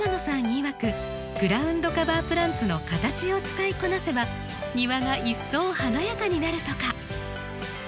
いわくグラウンドカバープランツの形を使いこなせば庭が一層華やかになるとか。